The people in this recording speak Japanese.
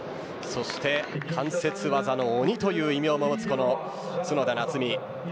そして関節技の鬼という異名を持つ角田夏実。